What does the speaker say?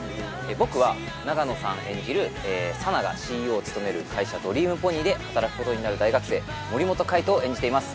僕は永野さん演じる佐奈がＣＥＯを務める会社ドリームポニーで働くことになる大学生森本海斗を演じています